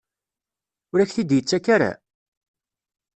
Ur ak-t-id-yettak ara?